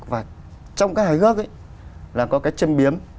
và trong cái hài hước ấy là có cái chân biếm